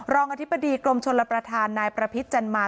อธิบดีกรมชลประธานนายประพิษจันมา